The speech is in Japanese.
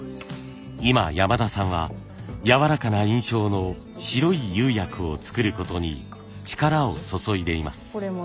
今山田さんはやわらかな印象の白い釉薬を作ることに力を注いでいます。